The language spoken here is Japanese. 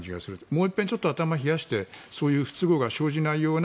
もう一遍、頭を冷やしてそういう不都合が生じないような